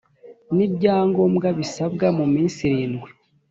n ibyangombwa bisabwa mu minsi irindwi